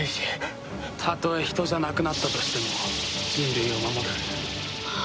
たとえ人じゃなくなったとしても人類を守る。